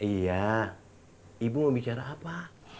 iya ibu mau bicara apa